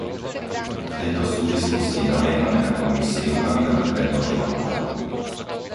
V tejto súvislosti naliehame na Komisiu, aby nám predložila plán.